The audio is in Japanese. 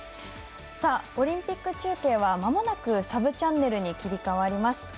オリンピック中継はまもなくサブチャンネルに切り替わります。